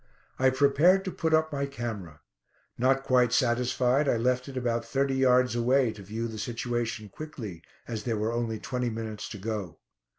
I prepared to put up my camera. Not quite satisfied, I left it about thirty yards away, to view the situation quickly, as there were only twenty minutes to go.